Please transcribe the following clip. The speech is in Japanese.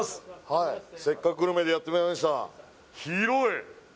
はい「せっかくグルメ！！」でやってまいりました